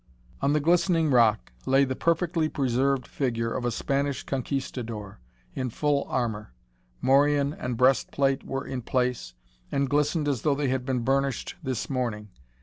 On the glistening rock lay the perfectly preserved figure of a Spanish Conquistadore in full armor. Morion and breast plate were in place, and glistened as though they had been burnished this morning.